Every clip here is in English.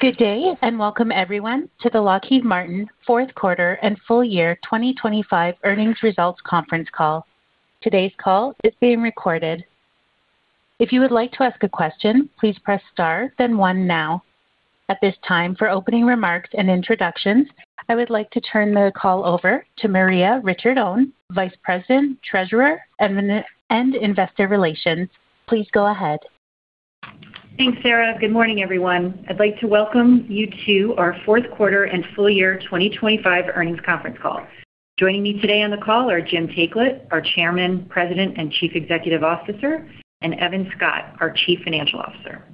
Good day, and welcome everyone to the Lockheed Martin fourth quarter and full year 2025 earnings results conference call. Today's call is being recorded. If you would like to ask a question, please press Star, then one now. At this time, for opening remarks and introductions, I would like to turn the call over to Maria Ricciardone, Vice President, Treasurer, and Investor Relations. Please go ahead. Thanks, Sarah. Good morning, everyone. I'd like to welcome you to our fourth quarter and full year 2025 earnings conference call. Joining me today on the call are Jim Taiclet, our Chairman, President, and Chief Executive Officer, and Evan Scott, our Chief Financial Officer.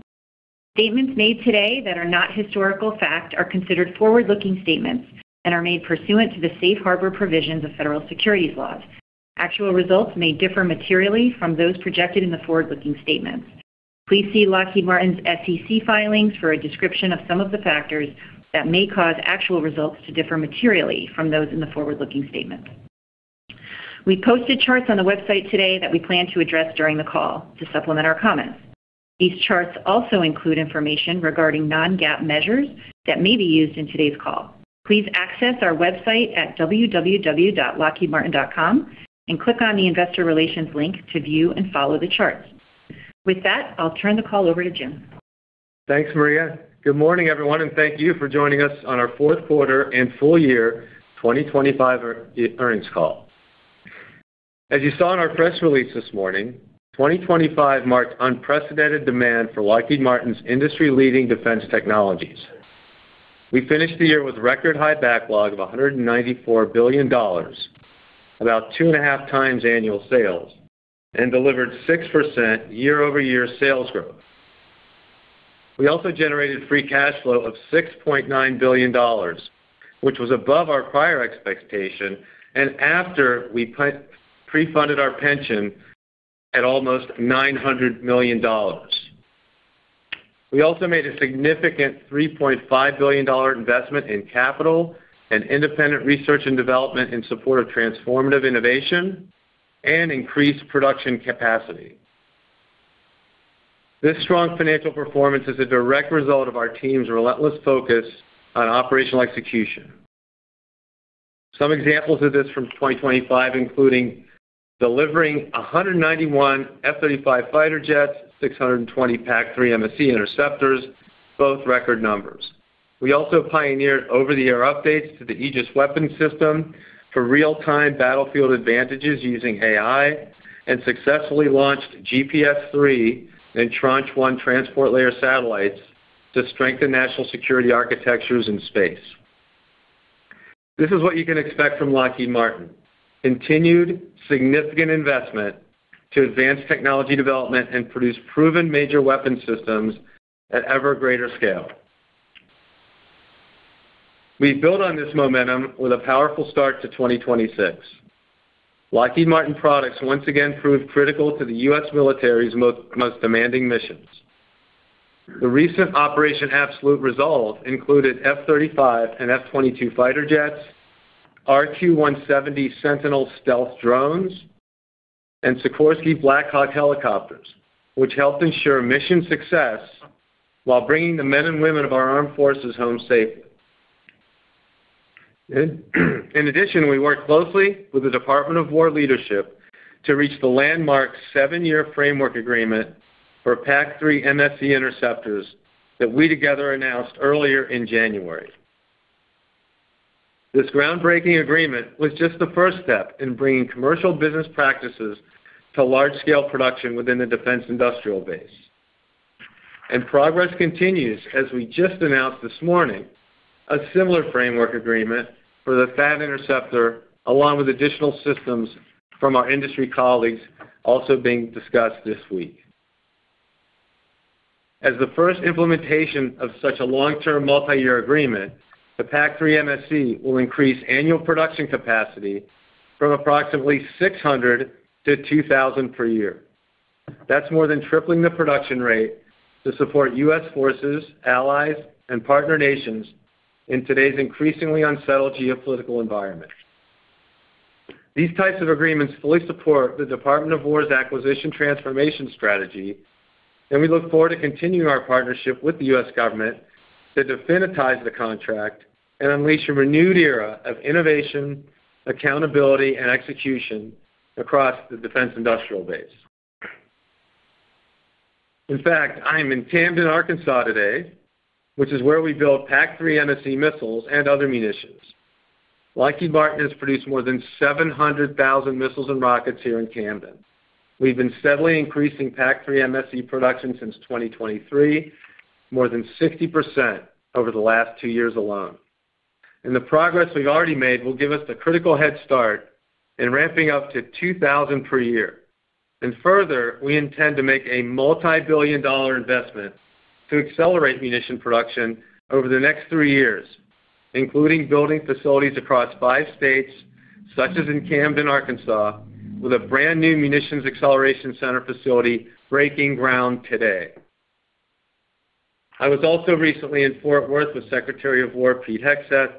Statements made today that are not historical fact are considered forward-looking statements and are made pursuant to the safe harbor provisions of federal securities laws. Actual results may differ materially from those projected in the forward-looking statements. Please see Lockheed Martin's SEC filings for a description of some of the factors that may cause actual results to differ materially from those in the forward-looking statement. We posted charts on the website today that we plan to address during the call to supplement our comments. These charts also include information regarding non-GAAP measures that may be used in today's call. Please access our website at www.lockheedmartin.com and click on the Investor Relations link to view and follow the charts. With that, I'll turn the call over to Jim. Thanks, Maria. Good morning, everyone, and thank you for joining us on our fourth quarter and full year 2025 earnings call. As you saw in our press release this morning, 2025 marked unprecedented demand for Lockheed Martin's industry-leading defense technologies. We finished the year with record-high backlog of $194 billion, about 2.5 times annual sales, and delivered 6% year-over-year sales growth. We also generated free cash flow of $6.9 billion, which was above our prior expectation, and after we pre-funded our pension at almost $900 million. We also made a significant $3.5 billion investment in capital and independent research and development in support of transformative innovation and increased production capacity. This strong financial performance is a direct result of our team's relentless focus on operational execution. Some examples of this from 2025, including delivering 191 F-35 fighter jets, 620 PAC-3 MSE interceptors, both record numbers. We also pioneered over-the-air updates to the Aegis Weapon System for real-time battlefield advantages using AI and successfully launched GPS III and Tranche 1 Transport Layer satellites to strengthen national security architectures in space. This is what you can expect from Lockheed Martin, continued significant investment to advance technology development and produce proven major weapon systems at ever-greater scale. We build on this momentum with a powerful start to 2026. Lockheed Martin products once again proved critical to the U.S. military's most, most demanding missions. The recent Operation Absolute Resolve included F-35 and F-22 fighter jets, RQ-170 Sentinel stealth drones, and Sikorsky Black Hawk helicopters, which helped ensure mission success while bringing the men and women of our armed forces home safely In addition, we worked closely with the Department of War leadership to reach the landmark seven-year framework agreement for PAC-3 MSE interceptors that we together announced earlier in January. This groundbreaking agreement was just the first step in bringing commercial business practices to large-scale production within the defense industrial base. Progress continues, as we just announced this morning, a similar framework agreement for the THAAD interceptor, along with additional systems from our industry colleagues also being discussed this week. As the first implementation of such a long-term, multi-year agreement, the PAC-3 MSE will increase annual production capacity from approximately 600 to 2,000 per year. That's more than tripling the production rate to support U.S. forces, allies, and partner nations in today's increasingly unsettled geopolitical environment. These types of agreements fully support the Department of War's acquisition transformation strategy, and we look forward to continuing our partnership with the U.S. government to definitize the contract and unleash a renewed era of innovation, accountability, and execution across the defense industrial base. In fact, I am in Camden, Arkansas, today, which is where we build PAC-3 MSE missiles and other munitions. Lockheed Martin has produced more than 700,000 missiles and rockets here in Camden. We've been steadily increasing PAC-3 MSE production since 2023, more than 60% over the last two years alone. The progress we've already made will give us the critical head start in ramping up to 2,000 per year. Further, we intend to make a multibillion-dollar investment to accelerate munition production over the next 3 years, including building facilities across 5 states, such as in Camden, Arkansas, with a brand new Munitions Acceleration Center facility breaking ground today. I was also recently in Fort Worth with Secretary of War, Pete Hegseth,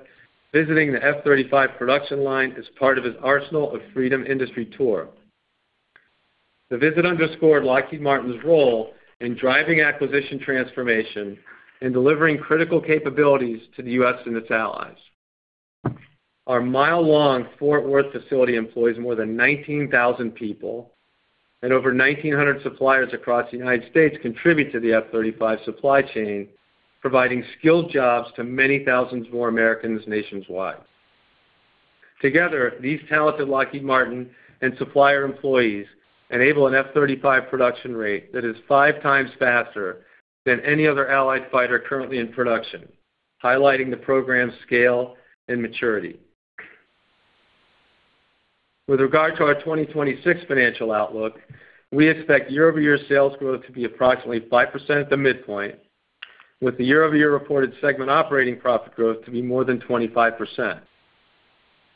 visiting the F-35 production line as part of his Arsenal of Freedom industry tour. The visit underscored Lockheed Martin's role in driving acquisition transformation and delivering critical capabilities to the U.S. and its allies. Our mile-long Fort Worth facility employs more than 19,000 people, and over 1,900 suppliers across the United States contribute to the F-35 supply chain, providing skilled jobs to many thousands more Americans nationwide. Together, these talented Lockheed Martin and supplier employees enable an F-35 production rate that is 5 times faster than any other allied fighter currently in production, highlighting the program's scale and maturity. With regard to our 2026 financial outlook, we expect year-over-year sales growth to be approximately 5% at the midpoint, with the year-over-year reported segment operating profit growth to be more than 25%.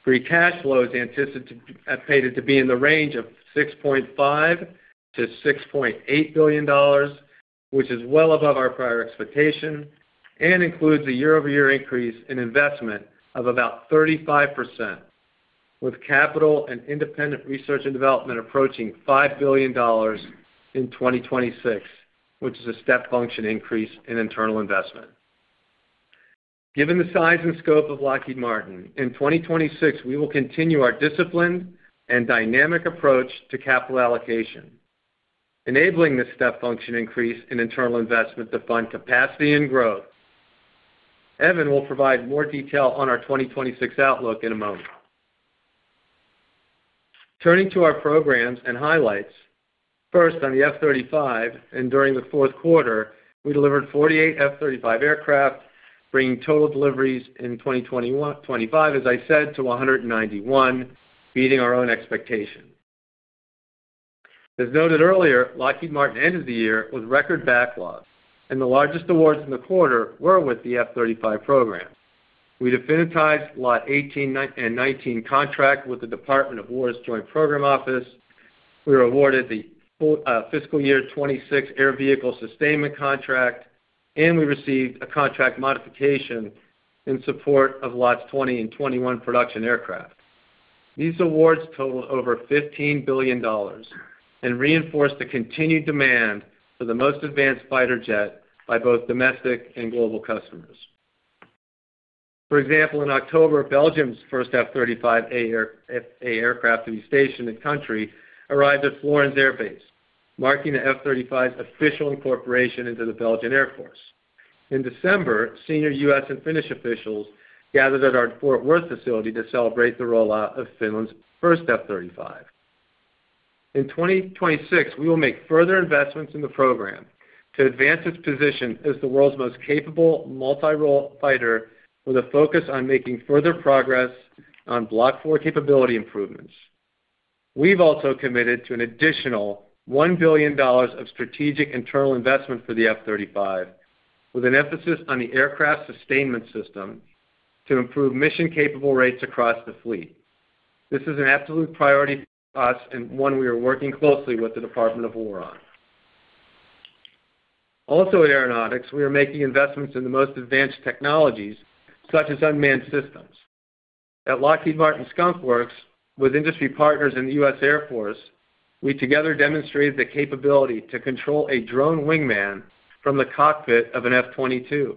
Free cash flow is anticipated to be in the range of $6.5 billion-$6.8 billion, which is well above our prior expectation and includes a year-over-year increase in investment of about 35%, with capital and independent research and development approaching $5 billion in 2026, which is a step function increase in internal investment. Given the size and scope of Lockheed Martin, in 2026, we will continue our disciplined and dynamic approach to capital allocation, enabling this step function increase in internal investment to fund capacity and growth. Evan will provide more detail on our 2026 outlook in a moment. Turning to our programs and highlights. First, on the F-35, during the fourth quarter, we delivered 48 F-35 aircraft, bringing total deliveries in 2025, as I said, to 191, beating our own expectation. As noted earlier, Lockheed Martin ended the year with record backlogs, and the largest awards in the quarter were with the F-35 program. We definitized Lot 18 and 19 contract with the Department of War's Joint Program Office. We were awarded the full fiscal year 2026 air vehicle sustainment contract, and we received a contract modification in support of Lots 20 and 21 production aircraft. These awards total over $15 billion and reinforce the continued demand for the most advanced fighter jet by both domestic and global customers. For example, in October, Belgium's first F-35A aircraft to be stationed in the country arrived at Florennes Air Base, marking the F-35's official incorporation into the Belgian Air Force. In December, senior U.S. and Finnish officials gathered at our Fort Worth facility to celebrate the rollout of Finland's first F-35. In 2026, we will make further investments in the program to advance its position as the world's most capable multi-role fighter, with a focus on making further progress on Block 4 capability improvements. We've also committed to an additional $1 billion of strategic internal investment for the F-35, with an emphasis on the aircraft sustainment system to improve mission capable rates across the fleet. This is an absolute priority for us and one we are working closely with the Department of War on. Also, at Aeronautics, we are making investments in the most advanced technologies, such as unmanned systems. At Lockheed Martin Skunk Works, with industry partners in the U.S. Air Force, we together demonstrated the capability to control a drone wingman from the cockpit of an F-22,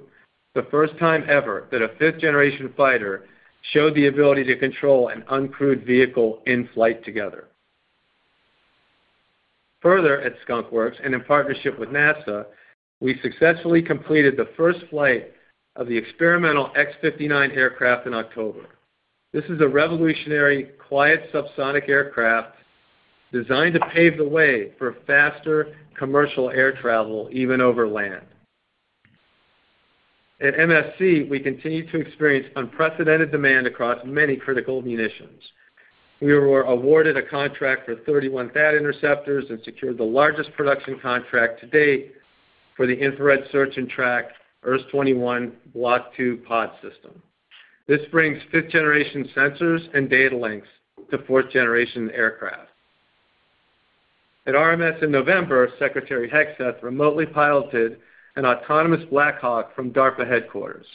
the first time ever that a 5th-generation fighter showed the ability to control an uncrewed vehicle in flight together. Further, at Skunk Works, and in partnership with NASA, we successfully completed the first flight of the experimental X-59 aircraft in October. This is a revolutionary, quiet, subsonic aircraft designed to pave the way for faster commercial air travel, even over land. At MFC, we continue to experience unprecedented demand across many critical munitions. We were awarded a contract for 31 THAAD interceptors and secured the largest production contract to date for the Infrared Search and Track IRST21 Block II pod system. This brings fifth-generation sensors and data links to fourth-generation aircraft. At RMS in November, Secretary Hegseth remotely piloted an autonomous Black Hawk from DARPA headquarters.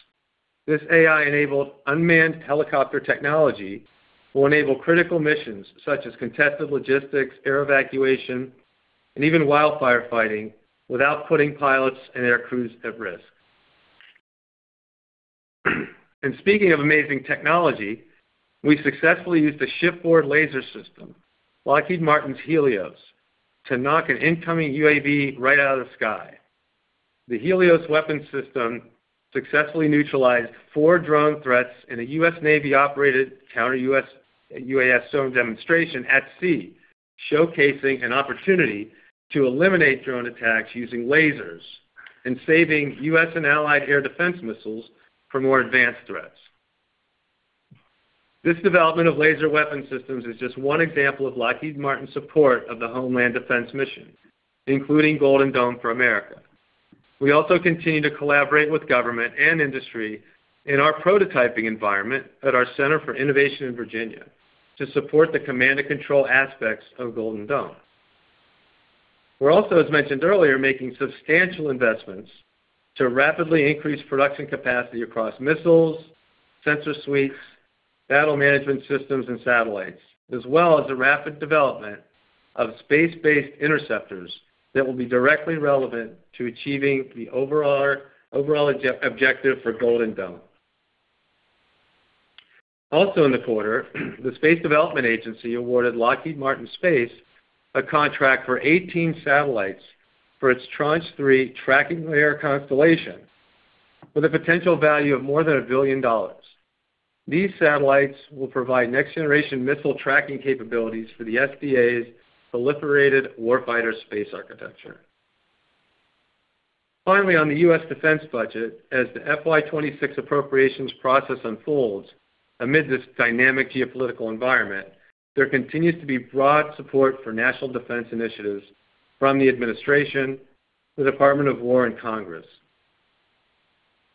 This AI-enabled unmanned helicopter technology will enable critical missions such as contested logistics, air evacuation, and even wildfire fighting, without putting pilots and air crews at risk. And speaking of amazing technology, we successfully used the shipboard laser system, Lockheed Martin's HELIOS, to knock an incoming UAV right out of the sky. The HELIOS weapon system successfully neutralized 4 drone threats in a U.S. Navy-operated counter-UAS zone demonstration at sea, showcasing an opportunity to eliminate drone attacks using lasers and saving U.S. and allied air defense missiles for more advanced threats. This development of laser weapon systems is just one example of Lockheed Martin's support of the homeland defense mission, including Golden Dome for America. We also continue to collaborate with government and industry in our prototyping environment at our Center for Innovation in Virginia, to support the command and control aspects of Golden Dome.... We're also, as mentioned earlier, making substantial investments to rapidly increase production capacity across missiles, sensor suites, battle management systems, and satellites, as well as the rapid development of space-based interceptors that will be directly relevant to achieving the overall objective for Golden Dome. Also, in the quarter, the Space Development Agency awarded Lockheed Martin Space a contract for 18 satellites for its Tranche 3 Tracking Layer constellation, with a potential value of more than $1 billion. These satellites will provide next-generation missile tracking capabilities for the SDA's Proliferated Warfighter Space Architecture. Finally, on the U.S. defense budget, as the FY 2026 appropriations process unfolds, amid this dynamic geopolitical environment, there continues to be broad support for national defense initiatives from the Administration, the Department of War, and Congress.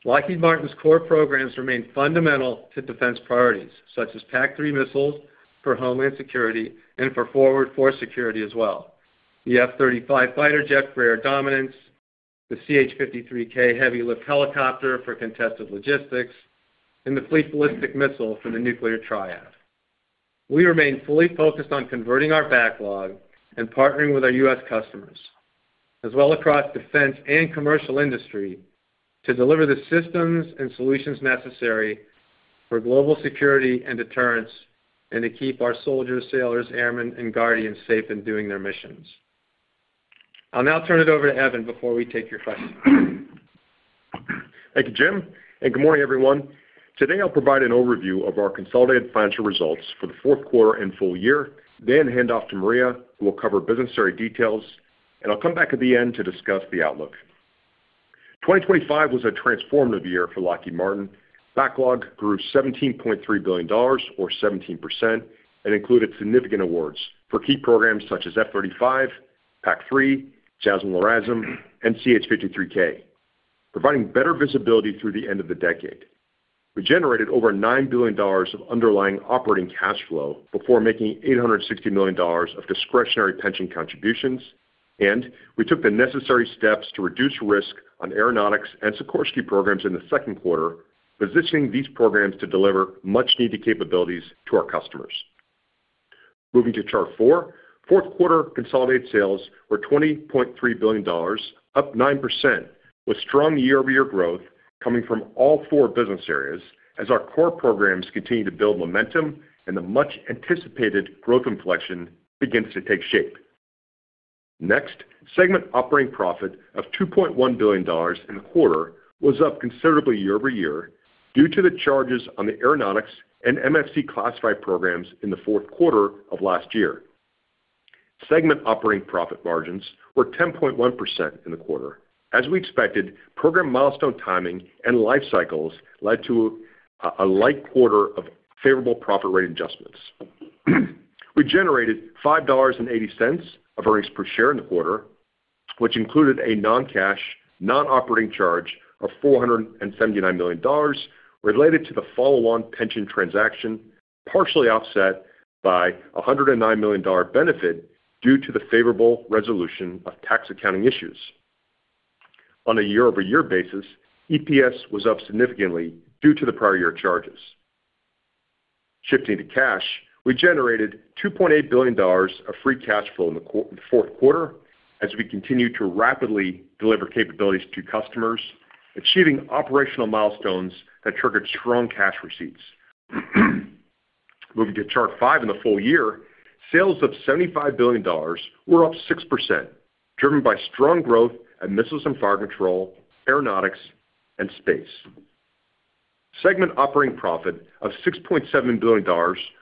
Lockheed Martin's core programs remain fundamental to defense priorities, such as PAC-3 missiles for homeland security and for forward force security as well. The F-35 fighter jet for air dominance, the CH-53K Heavy Lift Helicopter for contested logistics, and the fleet ballistic missile for the nuclear triad. We remain fully focused on converting our backlog and partnering with our U.S. customers, as well across defense and commercial industry, to deliver the systems and solutions necessary for global security and deterrence, and to keep our Soldiers, Sailors, Airmen, and Guardians safe in doing their missions. I'll now turn it over to Evan before we take your questions. Thank you, Jim, and good morning, everyone. Today, I'll provide an overview of our consolidated financial results for the fourth quarter and full year, then hand off to Maria, who will cover business story details, and I'll come back at the end to discuss the outlook. 2025 was a transformative year for Lockheed Martin. Backlog grew $17.3 billion or 17%, and included significant awards for key programs such as F-35, PAC-3, JASSM/LRASM, and CH-53K, providing better visibility through the end of the decade. We generated over $9 billion of underlying operating cash flow before making $860 million of discretionary pension contributions, and we took the necessary steps to reduce risk on Aeronautics and Sikorsky programs in the second quarter, positioning these programs to deliver much-needed capabilities to our customers. Moving to chart four. Fourth quarter consolidated sales were $20.3 billion, up 9%, with strong year-over-year growth coming from all four business areas as our core programs continue to build momentum and the much-anticipated growth inflection begins to take shape. Next, segment operating profit of $2.1 billion in the quarter was up considerably year-over-year due to the charges on the Aeronautics and MFC classified programs in the fourth quarter of last year. Segment operating profit margins were 10.1% in the quarter. As we expected, program milestone timing and life cycles led to a light quarter of favorable profit rate adjustments. We generated $5.80 of earnings per share in the quarter, which included a non-cash, non-operating charge of $479 million, related to the follow-on pension transaction, partially offset by a $109 million benefit due to the favorable resolution of tax accounting issues. On a year-over-year basis, EPS was up significantly due to the prior year charges. Shifting to cash, we generated $2.8 billion of free cash flow in the fourth quarter as we continued to rapidly deliver capabilities to customers, achieving operational milestones that triggered strong cash receipts. Moving to chart five in the full year, sales of $75 billion were up 6%, driven by strong growth at Missiles and Fire Control, Aeronautics, and Space. Segment operating profit of $6.7 billion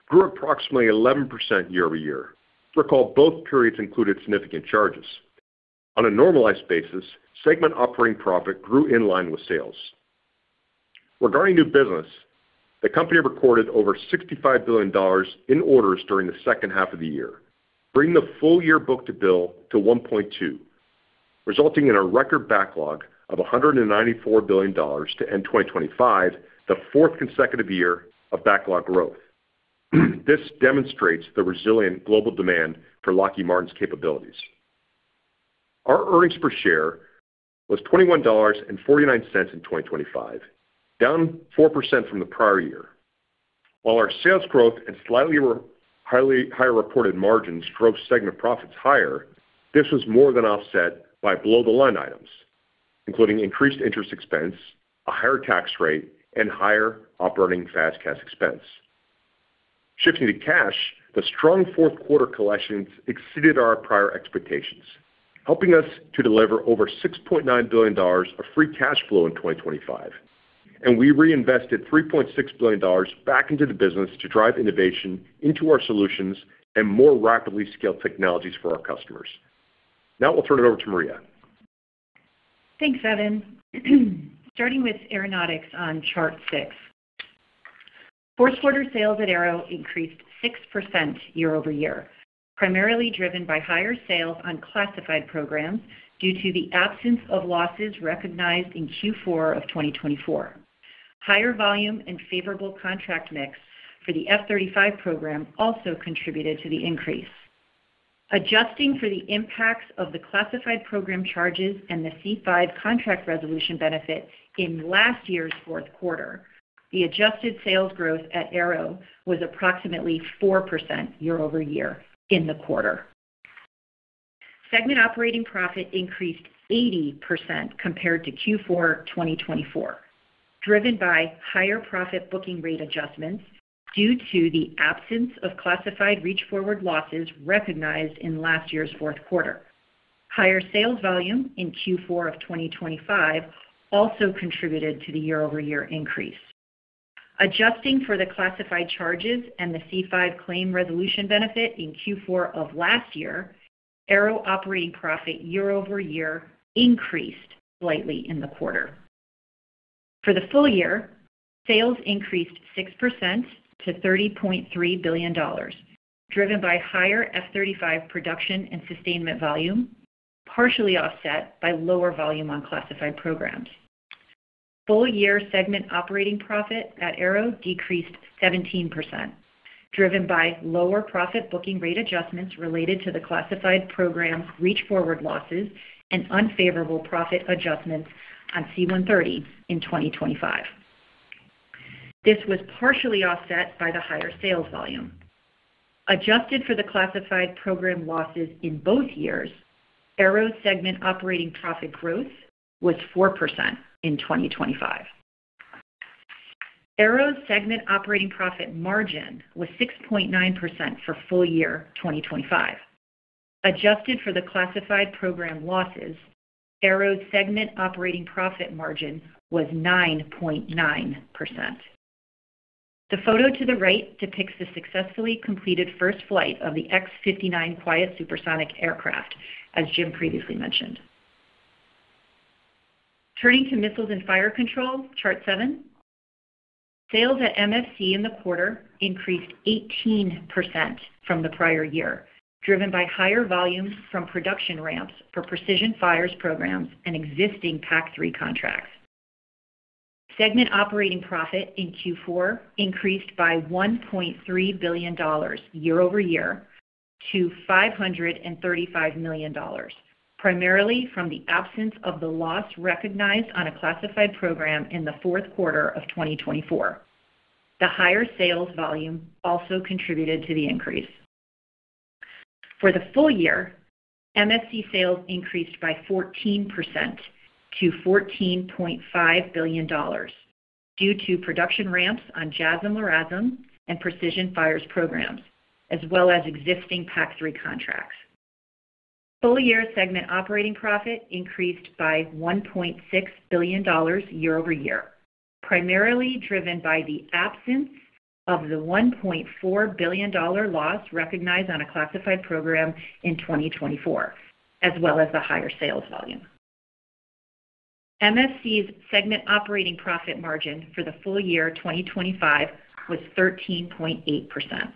grew approximately 11% year-over-year. Recall, both periods included significant charges. On a normalized basis, segment operating profit grew in line with sales. Regarding new business, the company recorded over $65 billion in orders during the second half of the year, bringing the full-year book-to-bill to 1.2, resulting in a record backlog of $194 billion to end 2025, the fourth consecutive year of backlog growth. This demonstrates the resilient global demand for Lockheed Martin's capabilities. Our earnings per share was $21.49 in 2025, down 4% from the prior year. While our sales growth and slightly higher reported margins drove segment profits higher, this was more than offset by below-the-line items, including increased interest expense, a higher tax rate, and higher operating FAS/CAS expense. Shifting to cash, the strong fourth quarter collections exceeded our prior expectations, helping us to deliver over $6.9 billion of free cash flow in 2025, and we reinvested $3.6 billion back into the business to drive innovation into our solutions and more rapidly scale technologies for our customers. Now I'll turn it over to Maria. Thanks, Evan. Starting with Aeronautics on chart 6. Fourth quarter sales at Aero increased 6% year-over-year, primarily driven by higher sales on classified programs due to the absence of losses recognized in Q4 of 2024. ... Higher volume and favorable contract mix for the F-35 program also contributed to the increase. Adjusting for the impacts of the classified program charges and the C-5 contract resolution benefit in last year's fourth quarter, the adjusted sales growth at Aero was approximately 4% year-over-year in the quarter. Segment operating profit increased 80% compared to Q4 2024, driven by higher profit booking rate adjustments due to the absence of classified reach-forward losses recognized in last year's fourth quarter. Higher sales volume in Q4 of 2025 also contributed to the year-over-year increase. Adjusting for the classified charges and the C-5 claim resolution benefit in Q4 of last year, Aero operating profit year-over-year increased slightly in the quarter. For the full year, sales increased 6% to $30.3 billion, driven by higher F-35 production and sustainment volume, partially offset by lower volume on classified programs. Full-year segment operating profit at Aero decreased 17%, driven by lower profit booking rate adjustments related to the classified program's reach-forward losses and unfavorable profit adjustments on C-130 in 2025. This was partially offset by the higher sales volume. Adjusted for the classified program losses in both years, Aero segment operating profit growth was 4% in 2025. Aero's segment operating profit margin was 6.9% for full year 2025. Adjusted for the classified program losses, Aero's segment operating profit margin was 9.9%. The photo to the right depicts the successfully completed first flight of the X-59 quiet supersonic aircraft, as Jim previously mentioned. Turning to missiles and fire control, Chart 7. Sales at MFC in the quarter increased 18% from the prior year, driven by higher volumes from production ramps for Precision Fires programs and existing PAC-3 contracts. Segment operating profit in Q4 increased by $1.3 billion year-over-year to $535 million, primarily from the absence of the loss recognized on a classified program in the fourth quarter of 2024. The higher sales volume also contributed to the increase. For the full year, MFC sales increased by 14% to $14.5 billion due to production ramps on JASSM/LRASM and Precision Fires programs, as well as existing PAC-3 contracts. Full-year segment operating profit increased by $1.6 billion year-over-year, primarily driven by the absence of the $1.4 billion loss recognized on a classified program in 2024, as well as the higher sales volume. MFC's segment operating profit margin for the full year 2025 was 13.8%.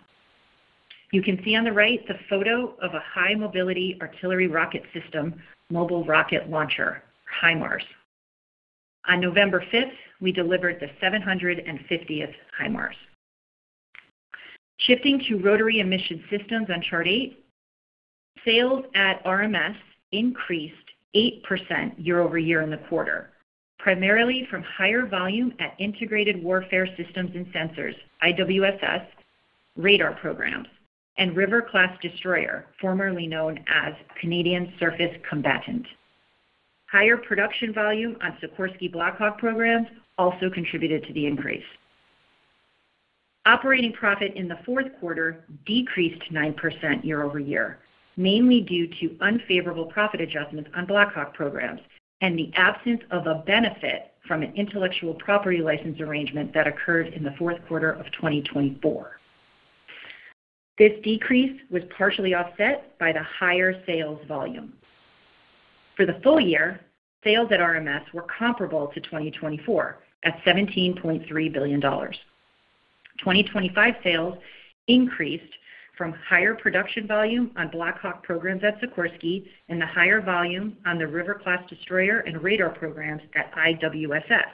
You can see on the right the photo of a High Mobility Artillery Rocket System mobile rocket launcher, HIMARS. On November fifth, we delivered the 750th HIMARS. Shifting to Rotary and Mission Systems on Chart 8, sales at RMS increased 8% year-over-year in the quarter, primarily from higher volume at Integrated Warfare Systems and Sensors, IWSS, radar programs, and River-class Destroyer, formerly known as Canadian Surface Combatant. Higher production volume on Sikorsky Black Hawk programs also contributed to the increase. Operating profit in the fourth quarter decreased 9% year-over-year, mainly due to unfavorable profit adjustments on Black Hawk programs and the absence of a benefit from an intellectual property license arrangement that occurred in the fourth quarter of 2024. This decrease was partially offset by the higher sales volume. For the full year, sales at RMS were comparable to 2024 at $17.3 billion. 2025 sales increased from higher production volume on Black Hawk programs at Sikorsky and the higher volume on the River-class Destroyer and radar programs at IWSS.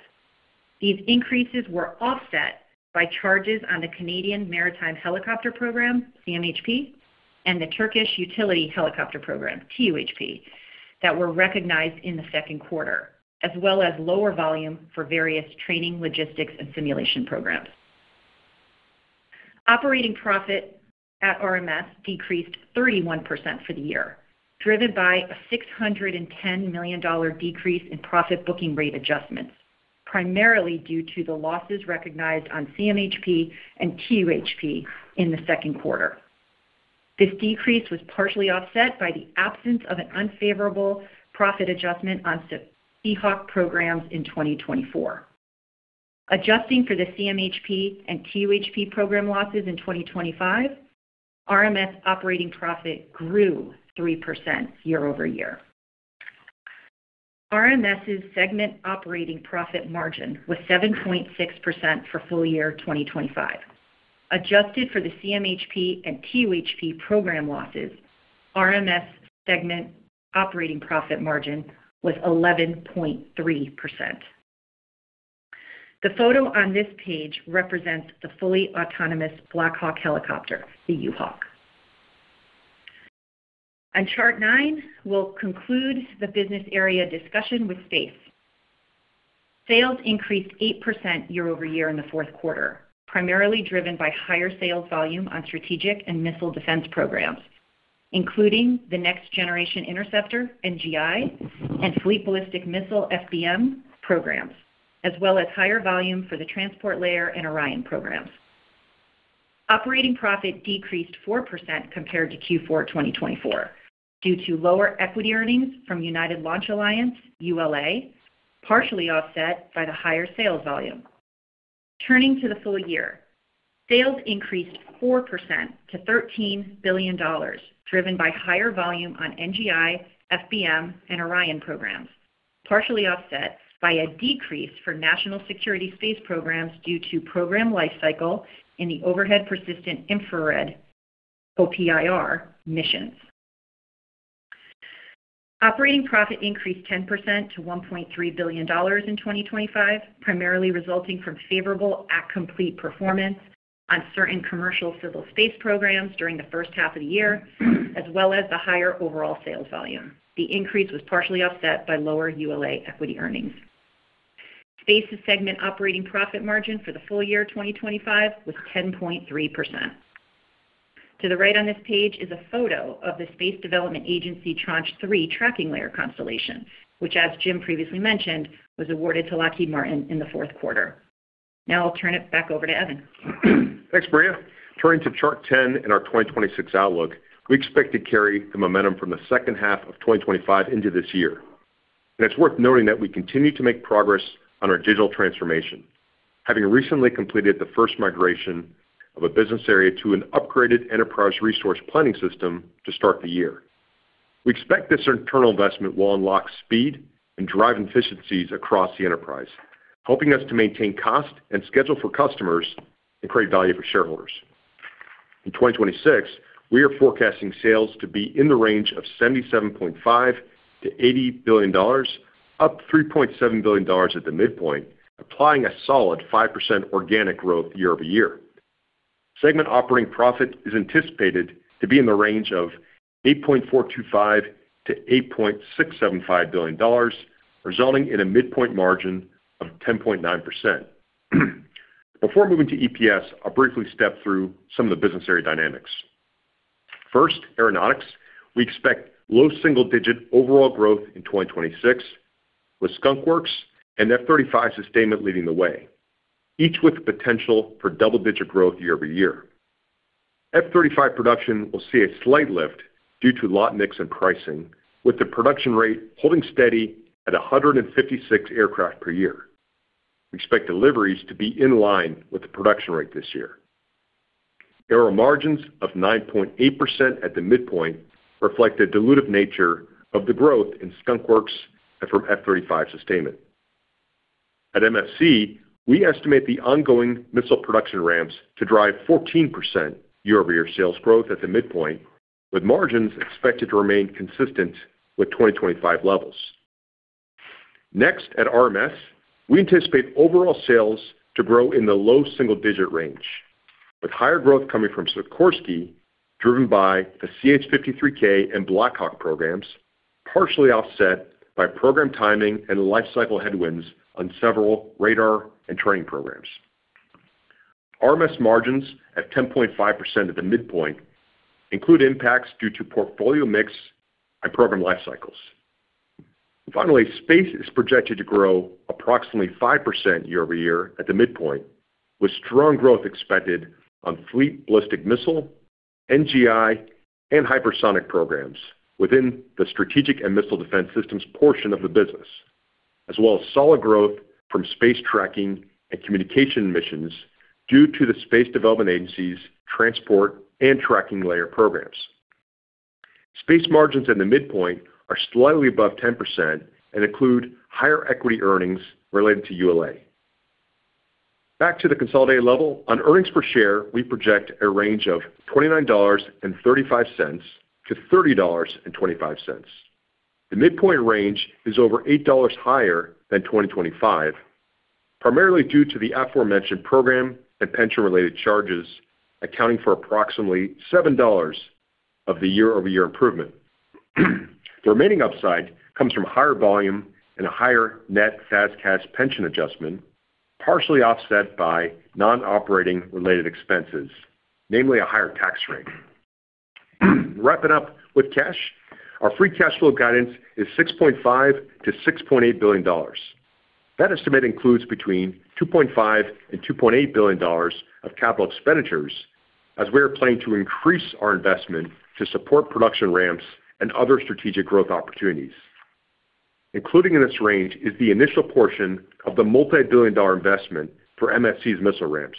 These increases were offset by charges on the Canadian Maritime Helicopter Program, CMHP, and the Turkish Utility Helicopter Program, TUHP, that were recognized in the second quarter, as well as lower volume for various training, logistics, and simulation programs. Operating profit at RMS decreased 31% for the year, driven by a $610 million decrease in profit booking rate adjustments, primarily due to the losses recognized on CMHP and TUHP in the second quarter. This decrease was partially offset by the absence of an unfavorable profit adjustment on Seahawk programs in 2024. Adjusting for the CMHP and TUHP program losses in 2025, RMS operating profit grew 3% year-over-year. RMS's segment operating profit margin was 7.6% for full year 2025. Adjusted for the CMHP and TUHP program losses, RMS segment operating profit margin was 11.3%. The photo on this page represents the fully autonomous Black Hawk helicopter, the U-Hawk. On Chart 9, we'll conclude the business area discussion with space. Sales increased 8% year-over-year in the fourth quarter, primarily driven by higher sales volume on Strategic and Missile Defense programs, including the Next Generation Interceptor, NGI, and Fleet Ballistic Missile, FBM, programs, as well as higher volume for the Transport Layer and Orion programs. Operating profit decreased 4% compared to Q4 2024, due to lower equity earnings from United Launch Alliance, ULA, partially offset by the higher sales volume. Turning to the full year, sales increased 4% to $13 billion, driven by higher volume on NGI, FBM, and Orion programs, partially offset by a decrease for National Security Space programs due to program lifecycle in the Overhead Persistent Infrared, OPIR, missions. Operating profit increased 10% to $1.3 billion in 2025, primarily resulting from favorable at-complete performance on certain Commercial Civil Space programs during the first half of the year, as well as the higher overall sales volume. The increase was partially offset by lower ULA equity earnings. Space's segment operating profit margin for the full year 2025 was 10.3%. To the right on this page is a photo of the Space Development Agency Tranche 3 Tracking Layer constellation, which, as Jim previously mentioned, was awarded to Lockheed Martin in the fourth quarter. Now I'll turn it back over to Evan. Thanks, Maria. Turning to Chart Ten and our 2026 outlook, we expect to carry the momentum from the second half of 2025 into this year. It's worth noting that we continue to make progress on our digital transformation, having recently completed the first migration of a business area to an upgraded enterprise resource planning system to start the year. We expect this internal investment will unlock speed and drive efficiencies across the enterprise, helping us to maintain cost and schedule for customers and create value for shareholders. In 2026, we are forecasting sales to be in the range of $77.5 billion-$80 billion, up $3.7 billion at the midpoint, applying a solid 5% organic growth year over year. Segment operating profit is anticipated to be in the range of $8.425 billion-$8.675 billion, resulting in a midpoint margin of 10.9%. Before moving to EPS, I'll briefly step through some of the business area dynamics. First, aeronautics. We expect low single-digit overall growth in 2026, with Skunk Works and F-35 sustainment leading the way, each with the potential for double-digit growth year-over-year. F-35 production will see a slight lift due to lot mix and pricing, with the production rate holding steady at 156 aircraft per year. We expect deliveries to be in line with the production rate this year. Aero margins of 9.8% at the midpoint reflect the dilutive nature of the growth in Skunk Works and from F-35 sustainment. At MFC, we estimate the ongoing missile production ramps to drive 14% year-over-year sales growth at the midpoint, with margins expected to remain consistent with 2025 levels. Next, at RMS, we anticipate overall sales to grow in the low single-digit range, with higher growth coming from Sikorsky, driven by the CH-53K and Black Hawk programs, partially offset by program timing and lifecycle headwinds on several radar and training programs. RMS margins at 10.5% at the midpoint include impacts due to portfolio mix and program life cycles. Finally, Space is projected to grow approximately 5% year-over-year at the midpoint, with strong growth expected on fleet ballistic missile, NGI, and hypersonic programs within the Strategic and Missile Defense systems portion of the business, as well as solid growth from space tracking and communication missions due to the Space Development Agency's Transport and Tracking Layer programs. Space margins in the midpoint are slightly above 10% and include higher equity earnings related to ULA. Back to the consolidated level. On earnings per share, we project a range of $29.35-$30.25. The midpoint range is over $8 higher than 2025, primarily due to the aforementioned program and pension-related charges, accounting for approximately $7 of the year-over-year improvement. The remaining upside comes from higher volume and a higher net FAS/CAS pension adjustment, partially offset by non-operating related expenses, namely a higher tax rate. Wrapping up with cash, our free cash flow guidance is $6.5 billion-$6.8 billion. That estimate includes between $2.5 billion and $2.8 billion of capital expenditures as we are planning to increase our investment to support production ramps and other strategic growth opportunities. Including in this range is the initial portion of the multibillion-dollar investment for MFC's missile ramps.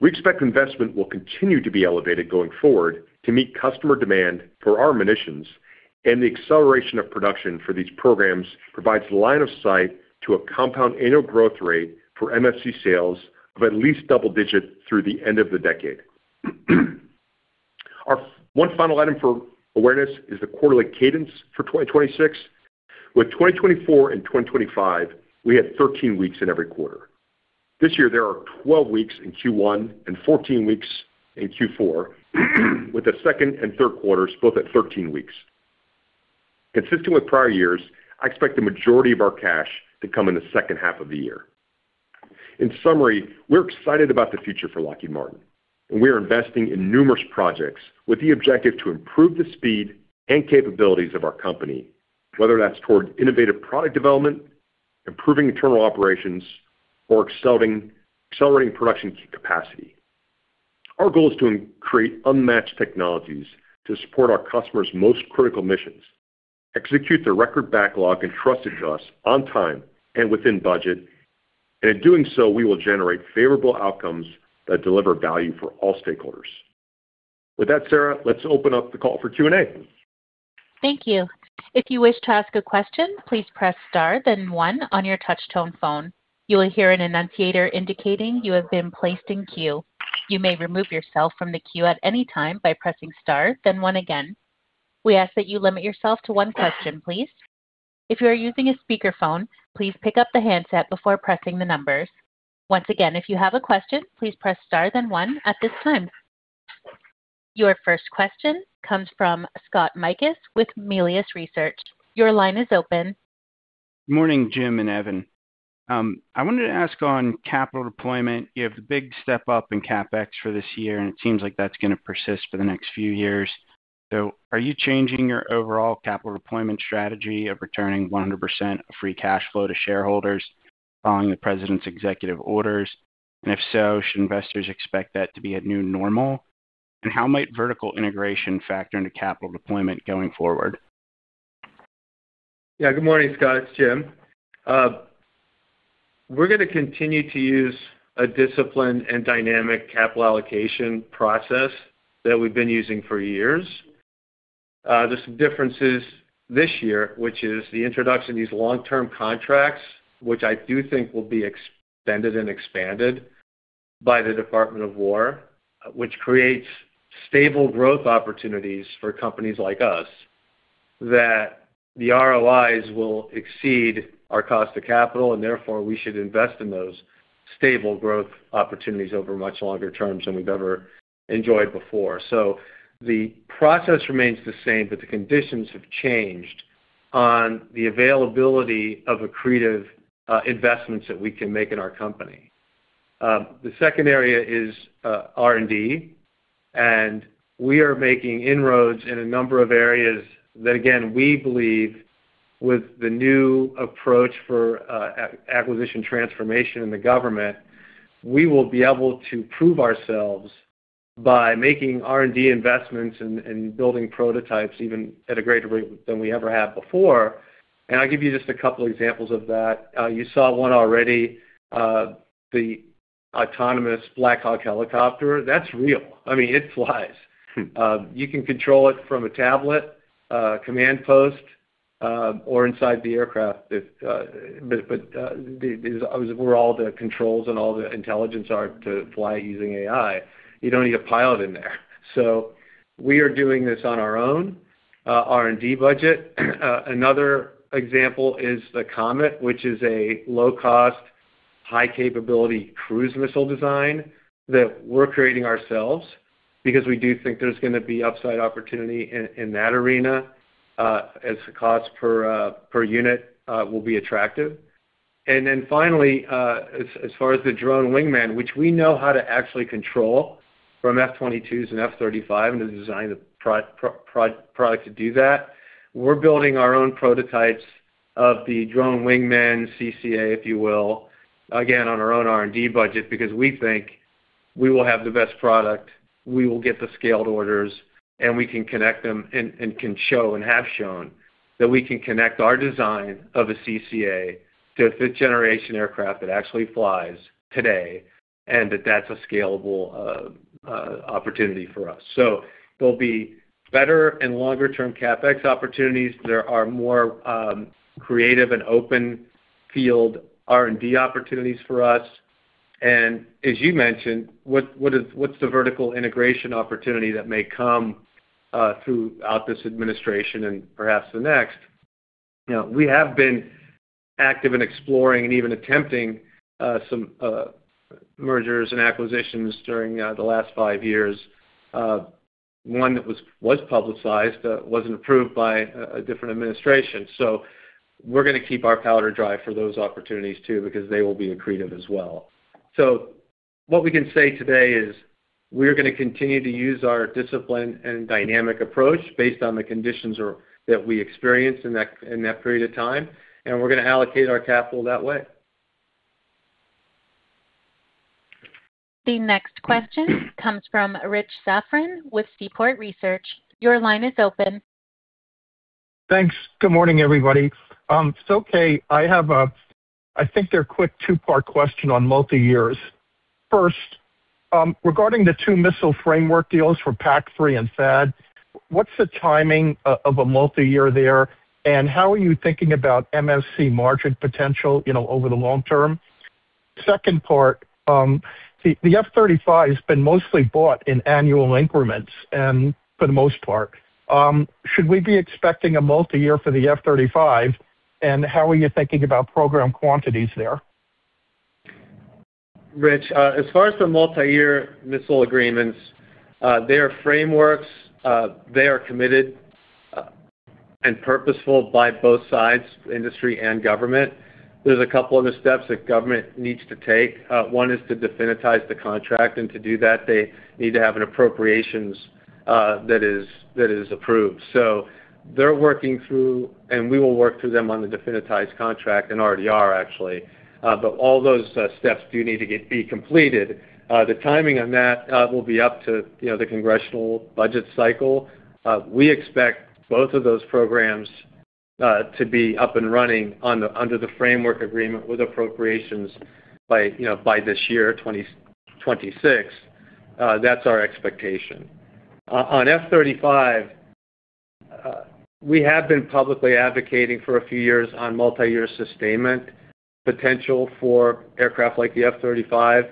We expect investment will continue to be elevated going forward to meet customer demand for our munitions, and the acceleration of production for these programs provides line of sight to a compound annual growth rate for MFC sales of at least double digits through the end of the decade.... Our one final item for awareness is the quarterly cadence for 2026. With 2024 and 2025, we had 13 weeks in every quarter. This year, there are 12 weeks in Q1 and 14 weeks in Q4, with the second and third quarters both at 13 weeks. Consistent with prior years, I expect the majority of our cash to come in the second half of the year. In summary, we're excited about the future for Lockheed Martin, and we are investing in numerous projects with the objective to improve the speed and capabilities of our company, whether that's toward innovative product development, improving internal operations, or excelling—accelerating production capacity. Our goal is to create unmatched technologies to support our customers' most critical missions, execute the record backlog and deliver to our customers on time and within budget, and in doing so, we will generate favorable outcomes that deliver value for all stakeholders. With that, Sarah, let's open up the call for Q&A. Thank you. If you wish to ask a question, please press Star, then one on your touch tone phone. You will hear an annunciator indicating you have been placed in queue. You may remove yourself from the queue at any time by pressing Star, then one again. We ask that you limit yourself to one question, please. If you are using a speakerphone, please pick up the handset before pressing the numbers. Once again, if you have a question, please press Star, then one at this time. Your first question comes from Scott Mikus with Melius Research. Your line is open. Good morning, Jim and Evan. I wanted to ask on capital deployment. You have the big step up in CapEx for this year, and it seems like that's going to persist for the next few years. So are you changing your overall capital deployment strategy of returning 100% of free cash flow to shareholders following the president's executive orders? And if so, should investors expect that to be a new normal? And how might vertical integration factor into capital deployment going forward? Yeah, good morning, Scott. It's Jim. We're going to continue to use a disciplined and Dynamic Capital Allocation process that we've been using for years. There's some differences this year, which is the introduction of these long-term contracts, which I do think will be extended and expanded by the Department of War, which creates stable growth opportunities for companies like us, that the ROIs will exceed our cost of capital, and therefore, we should invest in those stable growth opportunities over much longer terms than we've ever enjoyed before. So the process remains the same, but the conditions have changed on the availability of accretive, investments that we can make in our company. The second area is R&D, and we are making inroads in a number of areas that, again, we believe with the new approach for acquisition transformation in the government, we will be able to prove ourselves by making R&D investments and building prototypes even at a greater rate than we ever have before. And I'll give you just a couple examples of that. You saw one already, the autonomous Black Hawk helicopter. That's real. I mean, it flies. You can control it from a tablet, command post, or inside the aircraft, but these where all the controls and all the intelligence are to fly using AI, you don't need a pilot in there. So we are doing this on our own R&D budget. Another example is the Comet, which is a low-cost, high-capability cruise missile design that we're creating ourselves because we do think there's going to be upside opportunity in that arena, as the cost per unit will be attractive. And then finally, as far as the drone wingman, which we know how to actually control from F-22s and F-35, and is designed the product to do that, we're building our own prototypes of the drone wingman, CCA, if you will, again, on our own R&D budget, because we think we will have the best product, we will get the scaled orders, and we can connect them and can show and have shown that we can connect our design of a CCA to a fifth-generation aircraft that actually flies today, and that that's a scalable opportunity for us. So there'll be better and longer-term CapEx opportunities. There are more creative and open field R&D opportunities for us. And as you mentioned, what's the vertical integration opportunity that may come throughout this administration and perhaps the next? You know, we have been active in exploring and even attempting some mergers and acquisitions during the last five years. One that was publicized wasn't approved by a different administration. So we're going to keep our powder dry for those opportunities, too, because they will be accretive as well. So what we can say today is we're going to continue to use our discipline and dynamic approach based on the conditions that we experienced in that period of time, and we're going to allocate our capital that way. The next question comes from Rich Safran with Seaport Research. Your line is open. Thanks. Good morning, everybody. If it's okay, I have a—I think it's a quick two-part question on multi-year. First, regarding the two missile framework deals for PAC-3 and THAAD, what's the timing of a multi-year there, and how are you thinking about MFC margin potential, you know, over the long term? Second part, the F-35 has been mostly bought in annual increments, and for the most part. Should we be expecting a multi-year for the F-35, and how are you thinking about program quantities there? Rich, as far as the multi-year missile agreements, they are frameworks, they are committed, and purposeful by both sides, industry and government. There's a couple other steps that government needs to take. One is to definitize the contract, and to do that, they need to have an appropriations, that is, that is approved. So they're working through, and we will work through them on the definitized contract, and already are, actually. But all those steps do need to be completed. The timing on that will be up to, you know, the congressional budget cycle. We expect both of those programs to be up and running on the- under the framework agreement with appropriations by, you know, by this year, 2026. That's our expectation. On F-35, we have been publicly advocating for a few years on multi-year sustainment, potential for aircraft like the F-35.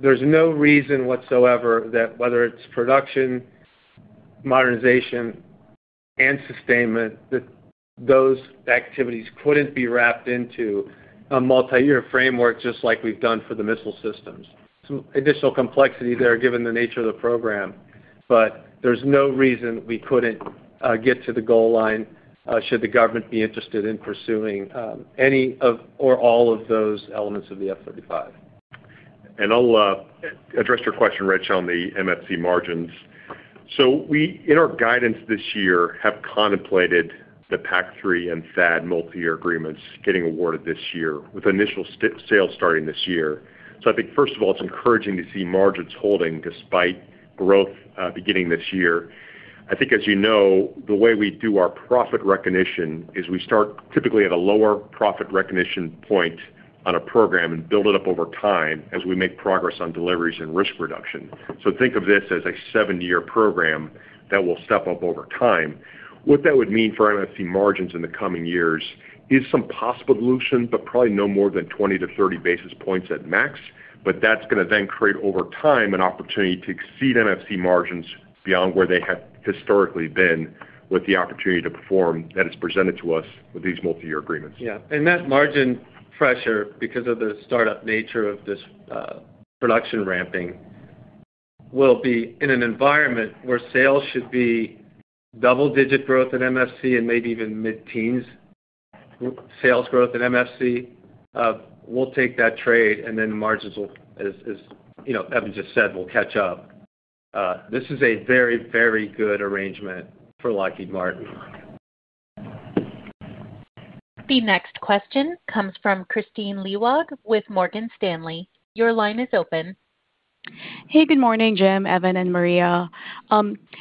There's no reason whatsoever that whether it's production, modernization, and sustainment, that those activities couldn't be wrapped into a multi-year framework, just like we've done for the missile systems. Some additional complexity there, given the nature of the program, but there's no reason we couldn't get to the goal line, should the government be interested in pursuing any of or all of those elements of the F-35. I'll address your question, Rich, on the MFC margins. So we, in our guidance this year, have contemplated the PAC-3 and THAAD multi-year agreements getting awarded this year, with initial sales starting this year. So I think first of all, it's encouraging to see margins holding despite growth beginning this year. I think, as you know, the way we do our profit recognition is we start typically at a lower profit recognition point on a program and build it up over time as we make progress on deliveries and risk reduction. So think of this as a seven-year program that will step up over time. What that would mean for MFC margins in the coming years is some possible dilution, but probably no more than 20-30 basis points at max, but that's gonna then create, over time, an opportunity to exceed MFC margins beyond where they have historically been, with the opportunity to perform that is presented to us with these multi-year agreements. Yeah, and that margin pressure, because of the startup nature of this production ramping, will be in an environment where sales should be double-digit growth in MFC and maybe even mid-teens sales growth in MFC. We'll take that trade, and then the margins will, as you know, Evan just said, will catch up. This is a very, very good arrangement for Lockheed Martin. The next question comes from Kristine Liwag with Morgan Stanley. Your line is open. Hey, good morning, Jim, Evan, and Maria.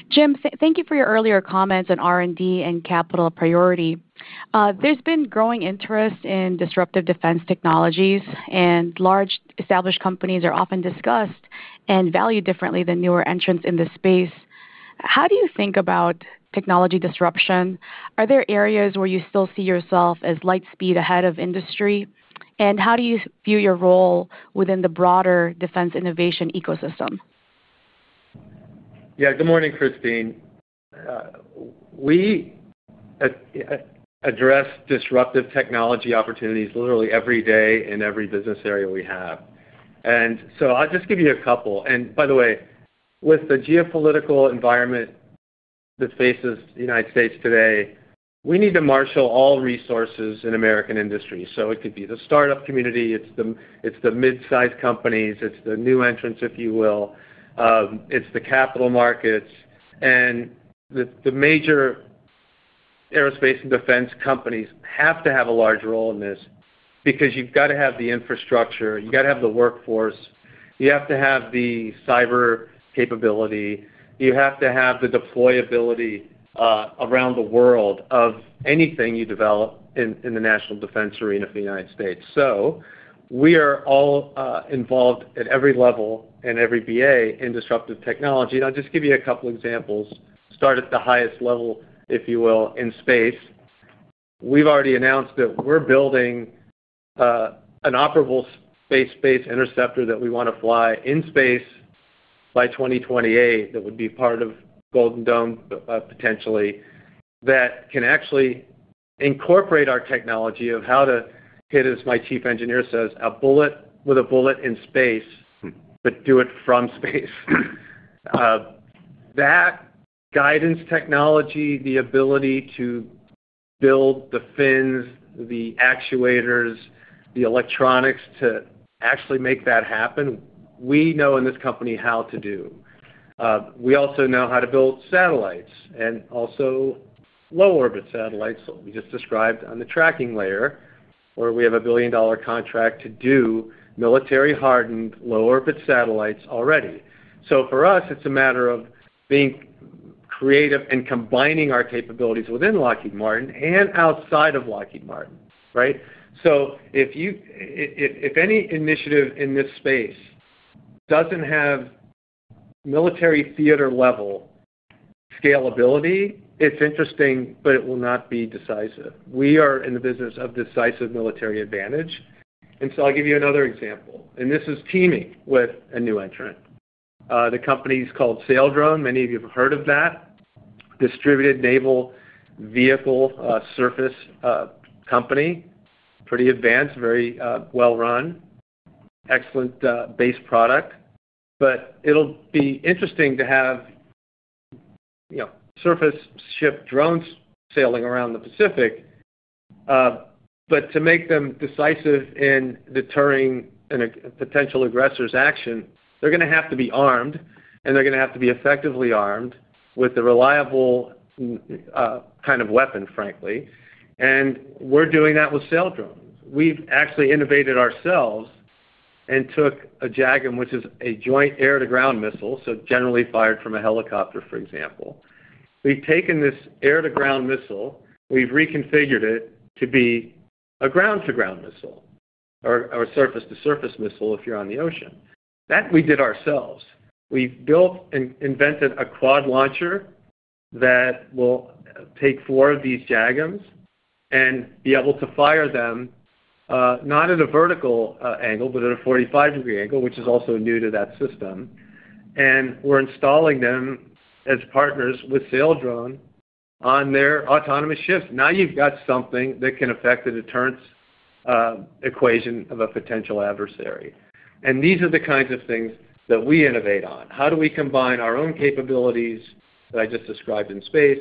Jim, thank you for your earlier comments on R&D and capital priority. There's been growing interest in disruptive defense technologies, and large, established companies are often discussed and valued differently than newer entrants in this space. How do you think about technology disruption? Are there areas where you still see yourself as light speed ahead of industry? And how do you view your role within the broader defense innovation ecosystem? Yeah, good morning, Kristine. We address disruptive technology opportunities literally every day in every business area we have. And so I'll just give you a couple. And by the way, with the geopolitical environment that faces the United States today, we need to marshal all resources in American industry. So it could be the startup community, it's the, it's the mid-sized companies, it's the new entrants, if you will, it's the capital markets. And the, the major aerospace and defense companies have to have a large role in this because you've got to have the infrastructure, you've got to have the workforce, you have to have the cyber capability, you have to have the deployability around the world of anything you develop in, in the national defense arena for the United States. So we are all involved at every level and every BA in disruptive technology. I'll just give you a couple examples. Start at the highest level, if you will, in space. We've already announced that we're building an operable space-based interceptor that we want to fly in space by 2028. That would be part of Golden Dome, potentially, that can actually incorporate our technology of how to hit, as my chief engineer says, "a bullet with a bullet in space, but do it from space." That guidance technology, the ability to build the fins, the actuators, the electronics to actually make that happen, we know in this company how to do. We also know how to build satellites and also low-orbit satellites. We just described on the tracking layer, where we have a $1 billion contract to do military-hardened, low-orbit satellites already. So for us, it's a matter of being creative and combining our capabilities within Lockheed Martin and outside of Lockheed Martin, right? If any initiative in this space doesn't have military theater-level scalability, it's interesting, but it will not be decisive. We are in the business of decisive military advantage. And so I'll give you another example, and this is teaming with a new entrant. The company is called Saildrone. Many of you have heard of that. Distributed naval vehicle surface company, pretty advanced, very well run, excellent base product. It'll be interesting to have, you know, surface ship drones sailing around the Pacific, but to make them decisive in deterring a potential aggressor's action, they're gonna have to be armed, and they're gonna have to be effectively armed with a reliable kind of weapon, frankly. We're doing that with Saildrones. We've actually innovated ourselves and took a JAGM, which is a joint air-to-ground missile, so generally fired from a helicopter, for example. We've taken this air-to-ground missile, we've reconfigured it to be a ground-to-ground missile or a surface-to-surface missile, if you're on the ocean. That we did ourselves. We've built and invented a quad launcher that will take 4 of these JAGMs and be able to fire them, not at a vertical angle, but at a 45-degree angle, which is also new to that system. We're installing them as partners with Saildrone on their autonomous ships. Now you've got something that can affect the deterrence equation of a potential adversary. These are the kinds of things that we innovate on. How do we combine our own capabilities that I just described in space?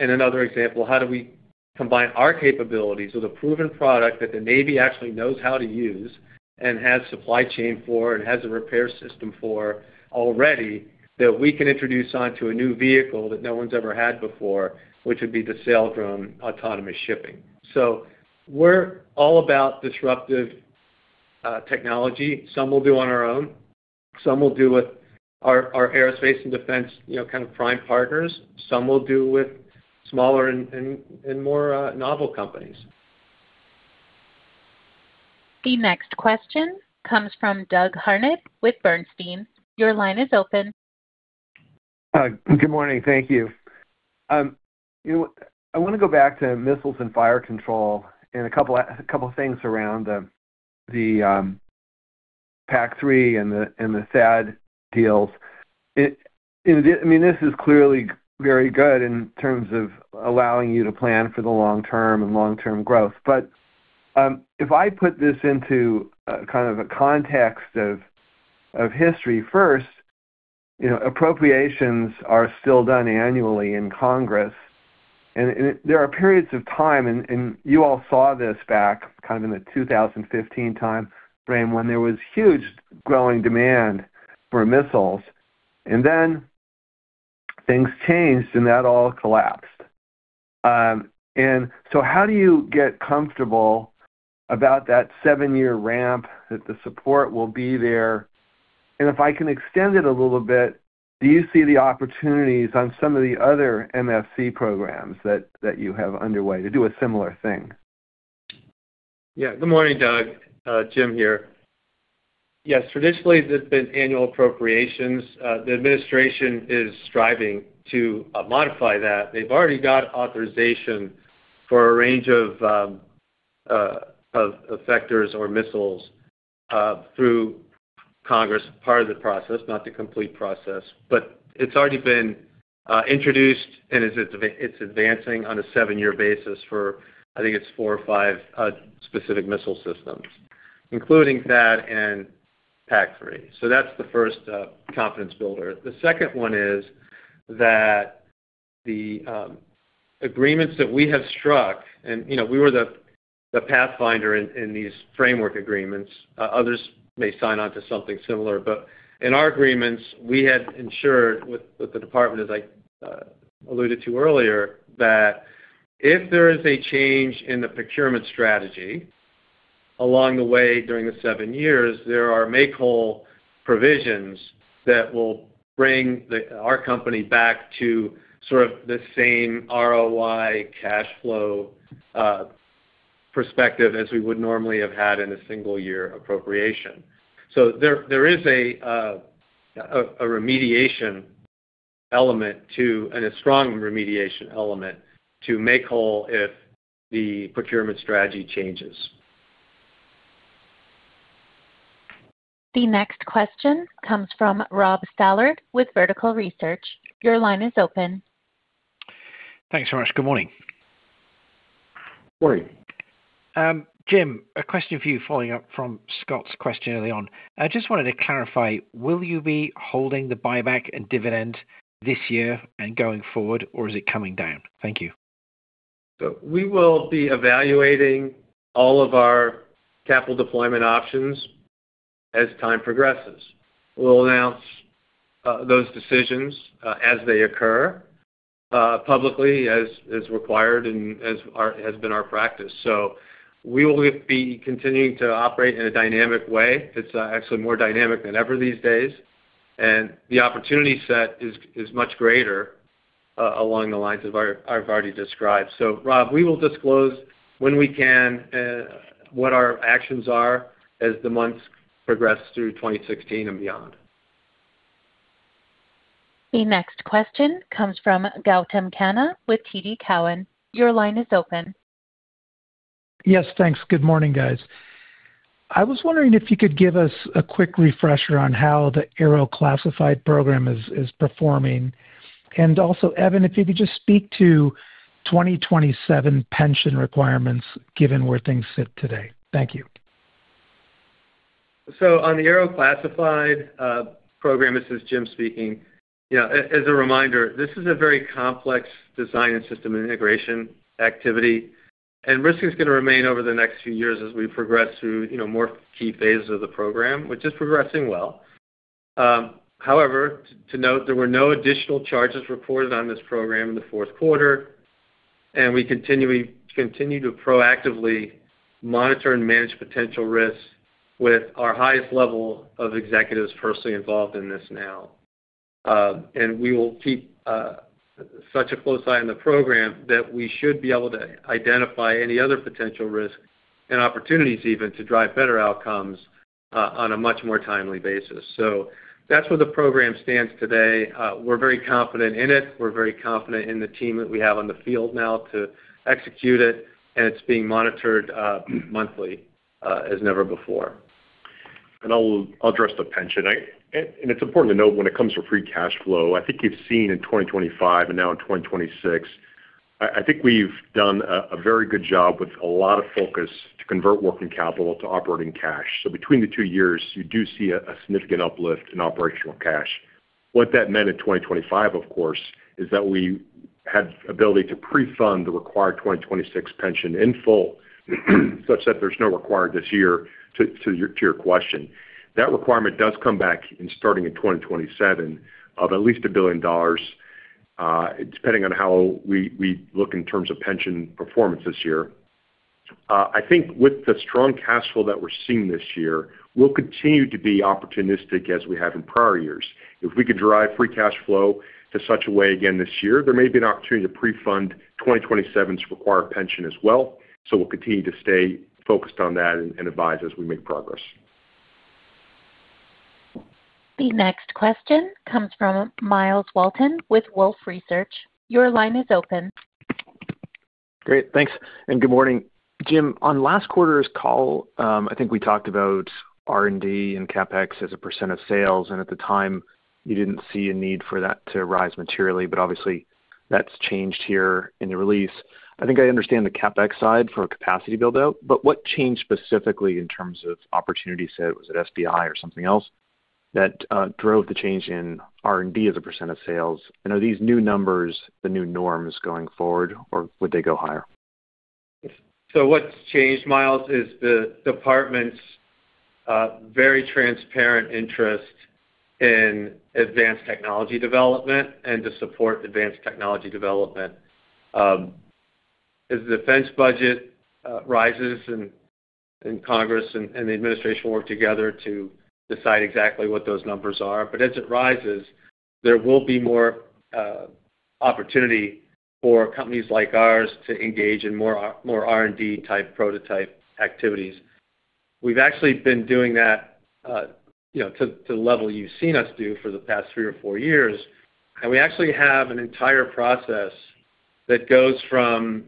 Another example, how do we combine our capabilities with a proven product that the Navy actually knows how to use and has supply chain for and has a repair system for already, that we can introduce onto a new vehicle that no one's ever had before, which would be the Saildrone autonomous shipping. We're all about disruptive technology. Some we'll do on our own, some we'll do with our, our aerospace and defense, you know, kind of prime partners, some we'll do with smaller and, and, and more novel companies. The next question comes from Doug Harned with Bernstein. Your line is open. Good morning. Thank you. You know, I wanna go back to missiles and fire control and a couple things around the PAC-3 and the THAAD deals. I mean, this is clearly very good in terms of allowing you to plan for the long term and long-term growth. But if I put this into kind of a context of history first, you know, appropriations are still done annually in Congress, and there are periods of time, and you all saw this back kind of in the 2015 timeframe, when there was huge growing demand for missiles, and then things changed, and that all collapsed. So how do you get comfortable about that seven-year ramp, that the support will be there? If I can extend it a little bit, do you see the opportunities on some of the other MFC programs that you have underway to do a similar thing? Yeah. Good morning, Doug. Jim here. Yes, traditionally, there's been annual appropriations. The Administration is striving to modify that. They've already got authorization for a range of effectors or missiles through Congress, part of the process, not the complete process. But it's already been introduced, and it's advancing on a 7-year basis for, I think it's 4 or 5 specific missile systems, including THAAD and PAC-3. So that's the first confidence builder. The second one is that the agreements that we have struck, and, you know, we were the pathfinder in these framework agreements. Others may sign on to something similar, but in our agreements, we had ensured with the department, as I alluded to earlier, that if there is a change in the procurement strategy along the way during the seven years, there are make-whole provisions that will bring our company back to sort of the same ROI cash flow perspective as we would normally have had in a single year appropriation. So there is a remediation element to, and a strong remediation element to make whole if the procurement strategy changes. The next question comes from Rob Stallard with Vertical Research. Your line is open. Thanks so much. Good morning. Jim, a question for you, following up from Scott's question early on. I just wanted to clarify, will you be holding the buyback and dividend this year and going forward, or is it coming down? Thank you. So we will be evaluating all of our capital deployment options as time progresses. We'll announce those decisions as they occur publicly, as required and as has been our practice. So we will be continuing to operate in a dynamic way. It's actually more dynamic than ever these days, and the opportunity set is much greater... along the lines of I, I've already described. So, Rob, we will disclose when we can what our actions are as the months progress through 2026 and beyond. The next question comes from Gautam Khanna with TD Cowen. Your line is open. Yes, thanks. Good morning, guys. I was wondering if you could give us a quick refresher on how the Aero classified program is performing. And also, Evan, if you could just speak to 2027 pension requirements, given where things sit today. Thank you. So on the Aero classified program, this is Jim speaking. Yeah, as a reminder, this is a very complex design and system integration activity, and risk is gonna remain over the next few years as we progress through, you know, more key phases of the program, which is progressing well. However, to note, there were no additional charges reported on this program in the fourth quarter, and we continue to proactively monitor and manage potential risks with our highest level of executives personally involved in this now. And we will keep such a close eye on the program that we should be able to identify any other potential risks and opportunities even to drive better outcomes on a much more timely basis. So that's where the program stands today. We're very confident in it. We're very confident in the team that we have on the field now to execute it, and it's being monitored monthly, as never before. I'll address the pension. And it's important to note, when it comes to free cash flow, I think you've seen in 2025 and now in 2026, I think we've done a very good job with a lot of focus to convert working capital to operating cash. So between the two years, you do see a significant uplift in operational cash. What that meant in 2025, of course, is that we had ability to pre-fund the required 2026 pension in full, such that there's no required this year, to your question. That requirement does come back in starting in 2027, of at least $1 billion, depending on how we look in terms of pension performance this year. I think with the strong cash flow that we're seeing this year, we'll continue to be opportunistic as we have in prior years. If we could drive free cash flow to such a way again this year, there may be an opportunity to pre-fund 2027's required pension as well. So we'll continue to stay focused on that and, and advise as we make progress. The next question comes from Myles Walton with Wolfe Research. Your line is open. Great. Thanks, and good morning. Jim, on last quarter's call, I think we talked about R&D and CapEx as a % of sales, and at the time, you didn't see a need for that to rise materially, but obviously, that's changed here in the release. I think I understand the CapEx side for a capacity build-out, but what changed specifically in terms of opportunity set? Was it SDA or something else that drove the change in R&D as a % of sales? And are these new numbers, the new norms going forward, or would they go higher? So what's changed, Myles, is the Department's very transparent interest in advanced technology development and to support advanced technology development. As the defense budget rises, and Congress and the Administration work together to decide exactly what those numbers are, but as it rises, there will be more opportunity for companies like ours to engage in more R&D-type prototype activities. We've actually been doing that, you know, to the level you've seen us do for the past three or four years, and we actually have an entire process that goes from,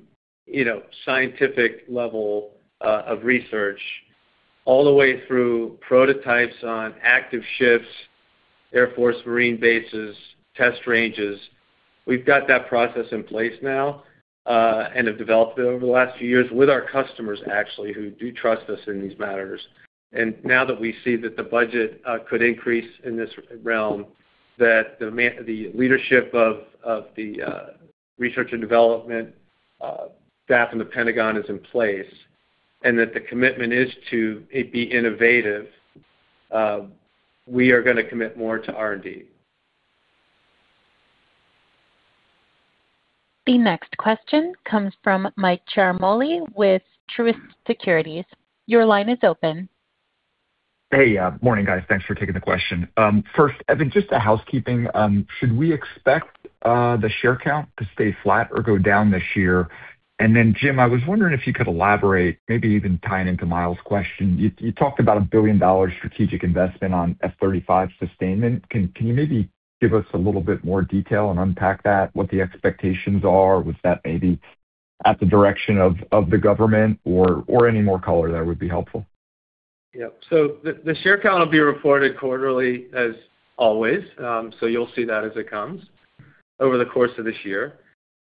you know, scientific level of research, all the way through prototypes on active ships, Air Force, Marine bases, test ranges. We've got that process in place now, and have developed it over the last few years with our customers, actually, who do trust us in these matters. Now that we see that the budget could increase in this realm, that the leadership of the research and development staff in the Pentagon is in place, and that the commitment is to it be innovative, we are gonna commit more to R&D. The next question comes from Michael Ciarmoli with Truist Securities. Your line is open. Hey, morning, guys. Thanks for taking the question. First, Evan, just a housekeeping, should we expect the share count to stay flat or go down this year? And then, Jim, I was wondering if you could elaborate, maybe even tying into Myles' question. You talked about a $1 billion strategic investment on F-35 sustainment. Can you maybe give us a little bit more detail and unpack that, what the expectations are? Was that maybe at the direction of the government or any more color there would be helpful? Yep. So the share count will be reported quarterly as always. So you'll see that as it comes over the course of this year.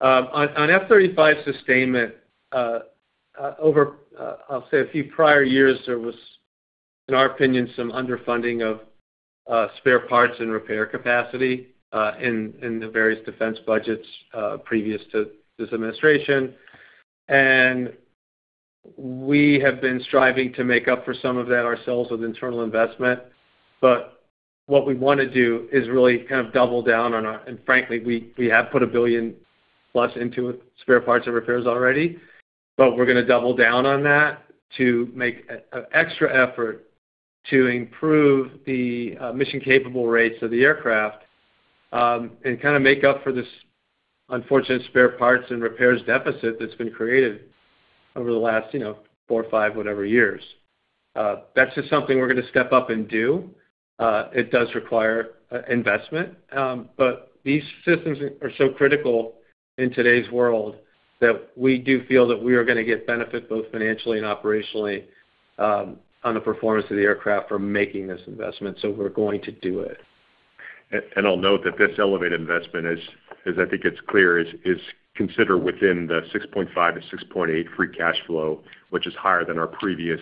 On F-35 sustainment, over, I'll say a few prior years, there was, in our opinion, some underfunding of spare parts and repair capacity in the various defense budgets previous to this administration. And we have been striving to make up for some of that ourselves with internal investment. But what we wanna do is really kind of double down on our-- and frankly, we have put $1 billion-plus into spare parts and repairs already, but we're gonna double down on that to make extra effort... To improve the mission capable rates of the aircraft, and kind of make up for this unfortunate spare parts and repairs deficit that's been created over the last, you know, four or five, whatever years. That's just something we're gonna step up and do. It does require investment, but these systems are so critical in today's world that we do feel that we are gonna get benefit, both financially and operationally, on the performance of the aircraft from making this investment, so we're going to do it. I'll note that this elevated investment is, as I think it's clear, considered within the $6.5-$6.8 free cash flow, which is higher than our previous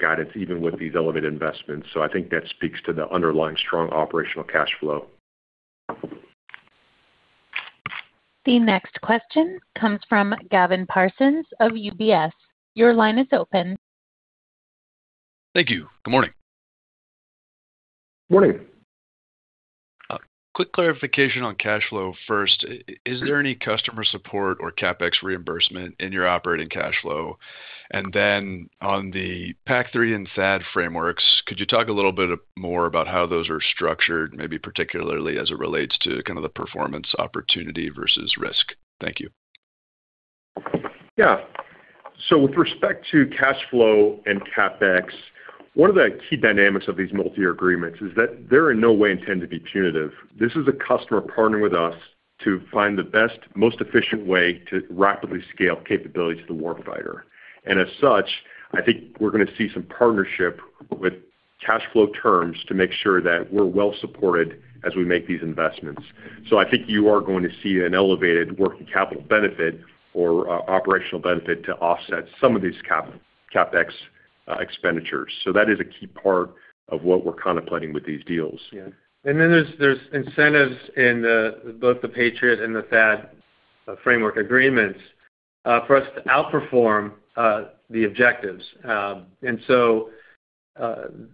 guidance, even with these elevated investments. So I think that speaks to the underlying strong operational cash flow. The next question comes from Gavin Parsons of UBS. Your line is open. Thank you. Good morning. Morning. Quick clarification on cash flow first. Is there any customer support or CapEx reimbursement in your operating cash flow? And then on the PAC-3 and THAAD frameworks, could you talk a little bit more about how those are structured, maybe particularly as it relates to kind of the performance opportunity versus risk? Thank you. Yeah. So with respect to cash flow and CapEx, one of the key dynamics of these multi-year agreements is that they're in no way intended to be punitive. This is a customer partnering with us to find the best, most efficient way to rapidly scale capabilities to the warfighter. And as such, I think we're gonna see some partnership with cash flow terms to make sure that we're well supported as we make these investments. So I think you are going to see an elevated working capital benefit or operational benefit to offset some of these CapEx expenditures. So that is a key part of what we're contemplating with these deals. Yeah. And then there's incentives in both the Patriot and the THAAD framework agreements for us to outperform the objectives. And so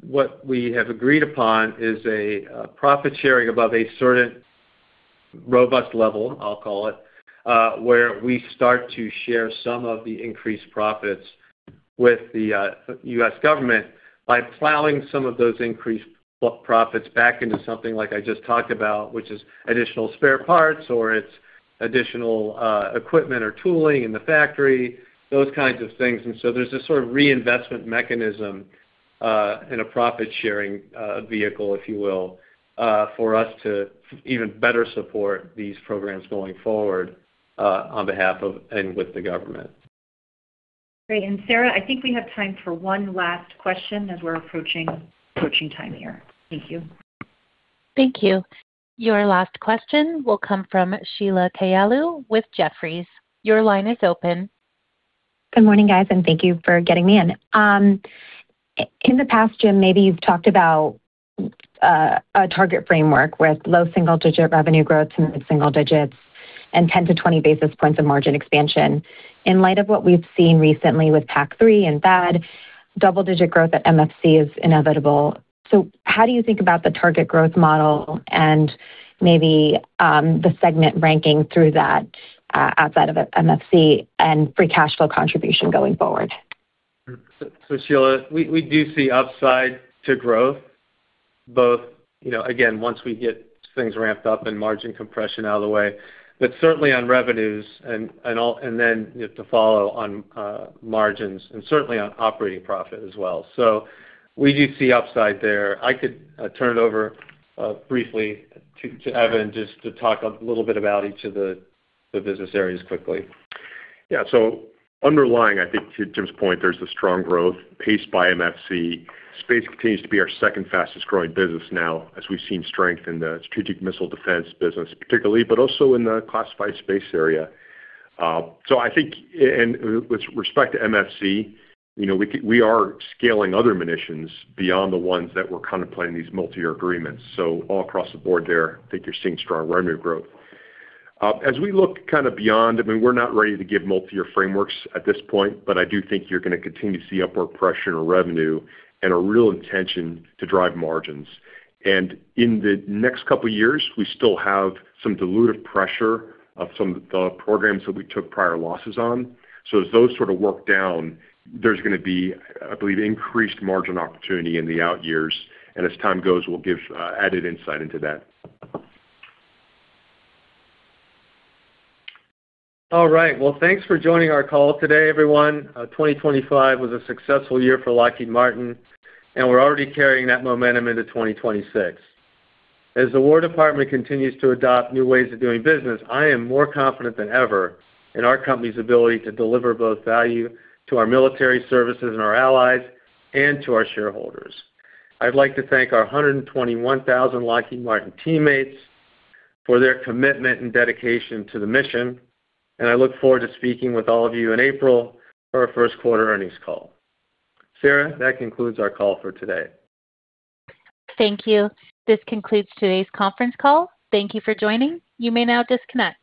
what we have agreed upon is a profit sharing above a certain robust level, I'll call it, where we start to share some of the increased profits with the U.S. government by plowing some of those increased profits back into something like I just talked about, which is additional spare parts, or it's additional equipment or tooling in the factory, those kinds of things. And so there's this sort of reinvestment mechanism and a profit-sharing vehicle, if you will, for us to even better support these programs going forward on behalf of and with the government. Great. And Sarah, I think we have time for one last question as we're approaching, approaching time here. Thank you. Thank you. Your last question will come from Sheila Kahyaoglu with Jefferies. Your line is open. Good morning, guys, and thank you for getting me in. In the past, Jim, maybe you've talked about a target framework with low single-digit revenue growth and mid-single digits and 10-20 basis points of margin expansion. In light of what we've seen recently with PAC-3 and THAAD, double-digit growth at MFC is inevitable. So how do you think about the target growth model and maybe the segment ranking through that outside of MFC and free cash flow contribution going forward? So, Sheila, we do see upside to growth, both, you know, again, once we get things ramped up and margin compression out of the way, but certainly on revenues and all—and then to follow on margins and certainly on operating profit as well. So we do see upside there. I could turn it over briefly to Evan, just to talk a little bit about each of the business areas quickly. Yeah, so underlying, I think, to Jim's point, there's the strong growth paced by MFC. Space continues to be our second fastest growing business now, as we've seen strength in the strategic missile defense business particularly, but also in the classified space area. So I think and with respect to MFC, you know, we are scaling other munitions beyond the ones that we're contemplating these multi-year agreements. So all across the board there, I think you're seeing strong revenue growth. As we look kind of beyond, I mean, we're not ready to give multi-year frameworks at this point, but I do think you're gonna continue to see upward pressure in our revenue and a real intention to drive margins. And in the next couple of years, we still have some dilutive pressure of some of the programs that we took prior losses on. So as those sort of work down, there's gonna be, I believe, increased margin opportunity in the out years, and as time goes, we'll give added insight into that. All right. Well, thanks for joining our call today, everyone. 2025 was a successful year for Lockheed Martin, and we're already carrying that momentum into 2026. As the War Department continues to adopt new ways of doing business, I am more confident than ever in our company's ability to deliver both value to our military services and our allies, and to our shareholders. I'd like to thank our 121,000 Lockheed Martin teammates for their commitment and dedication to the mission, and I look forward to speaking with all of you in April for our first quarter earnings call. Sarah, that concludes our call for today. Thank you. This concludes today's conference call. Thank you for joining. You may now disconnect.